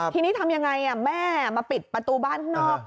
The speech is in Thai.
ทีนี้ทำยังไงแม่มาปิดประตูบ้านข้างนอก